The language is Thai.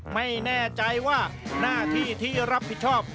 ไม่แน่ใจว่าหน้าที่ที่รับผิดชอบ